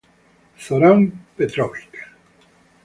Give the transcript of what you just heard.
Zoran Petrović